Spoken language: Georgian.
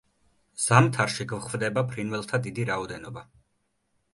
ზამთარში გვხვდება ფრინველთა დიდი რაოდენობა.